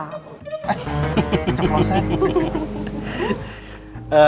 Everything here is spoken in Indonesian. eh pencet lho saya